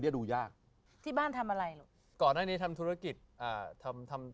เนี้ยดูยากที่บ้านทำอะไรลูกก่อนในนี้ทำธุรกิจอ่าทำ